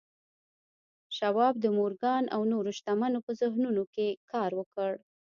شواب د مورګان او نورو شتمنو په ذهنونو کې کار وکړ